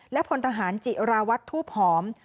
และพลทหารจิราวัตรทูบหอม